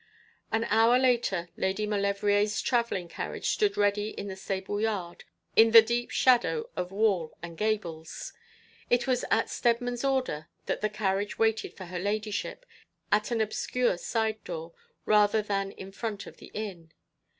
An hour later Lady Maulevrier's travelling carriage stood ready in the stable yard, in the deep shadow of wall and gables. It was at Steadman's order that the carriage waited for her ladyship at an obscure side door, rather than in front of the inn.